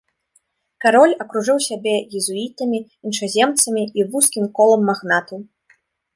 Кароль акружыў сябе езуітамі, іншаземцамі і вузкім колам магнатаў.